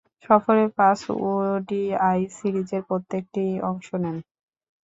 সফরের পাঁচ ওডিআই সিরিজের প্রত্যেকটিতেই অংশ নেন।